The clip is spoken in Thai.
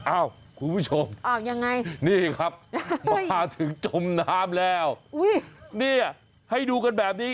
คุณผู้ชมนี่ครับมาถึงจมน้ำแล้วเนี่ยให้ดูกันแบบนี้